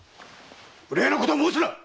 無礼なこと申すな！